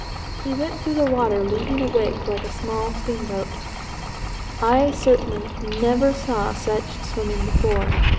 He went through the water leaving a wake like a small steamboat. I certainly never saw such swimming before.